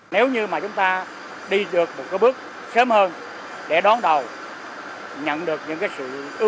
nếu như mà chúng ta đi được một cái bước sớm hơn để đón đầu nhận được những cái sự